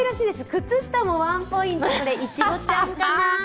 靴下もワンポイント、これ、いちごちゃんかな。